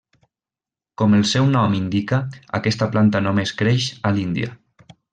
Com el seu nom l'indica, aquesta planta només creix a l'Índia.